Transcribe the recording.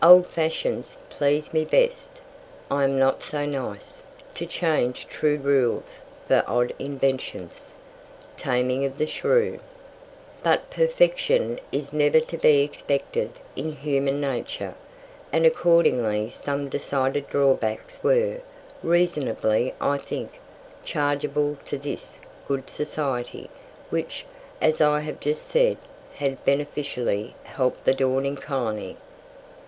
"Old fashions please me best; I am not so nice To change true rules for odd inventions." Taming of the Shrew. But perfection is never to be expected in human nature, and accordingly some decided drawbacks were, reasonably I think, chargeable to this "good society" which, as I have just said, had beneficially helped the dawning colony.